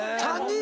３人。